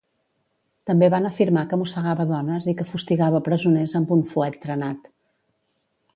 També van afirmar que mossegava dones i que fustigava presoners amb un fuet trenat.